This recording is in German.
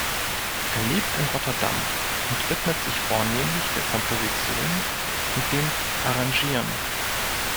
Er lebt in Rotterdam und widmet sich vornehmlich der Komposition und dem Arrangieren.